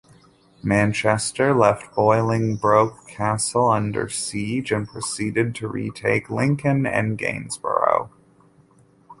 Manchester left Bolingbroke Castle under siege and proceeded to retake Lincoln and Gainsborough.